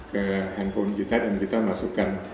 ke handphone kita dan kita masukkan